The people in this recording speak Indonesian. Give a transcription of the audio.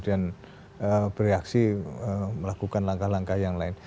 kebakaran jenggot dan kemudian bereaksi melakukan langkah langkah yang lain